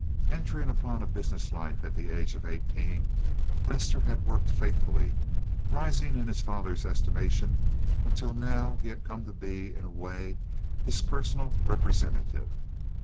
Entering upon a business life at the age of eighteen, Lester had worked faithfully, rising in his father's estimation, until now he had come to be, in a way, his personal representative.